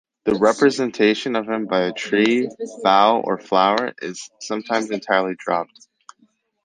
The representation of him by a tree, bough, or flower is sometimes entirely dropped.